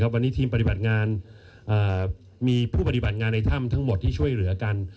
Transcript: วันนี้ทีมปฏิบัติงานมีผู้ปฏิบัติงานในถ้ำทั้งหมดที่ช่วยเหลือกัน